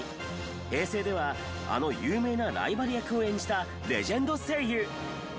平成ではあの有名なライバル役を演じたレジェンド声優！